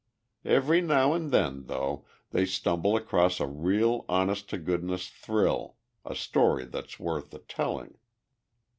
Every now and then, though, they stumble across a real honest to goodness thrill, a story that's worth the telling.